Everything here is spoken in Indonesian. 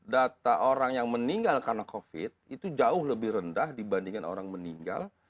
data orang yang meninggal karena covid itu jauh lebih rendah dibandingkan orang meninggal